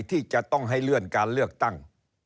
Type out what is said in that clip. ที่จะต้องให้เลื่อนการเลือกตั้ง